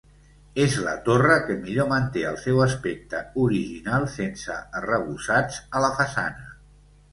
És la torre que millor manté el seu aspecte original, sense arrebossats a la façana.